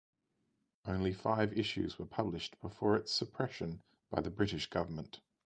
Only five issues were published before its suppression by the British Government.